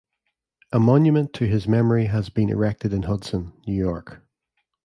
A monument to his memory has been erected in Hudson, New York.